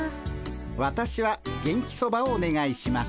わたしは元気そばをおねがいします。